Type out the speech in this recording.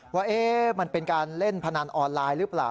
ว่ามันเป็นการเล่นพนันออนไลน์หรือเปล่า